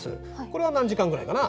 これは何時間ぐらいかな？